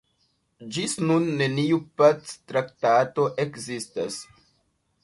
Ĝis nun neniu pactraktato ekzistas.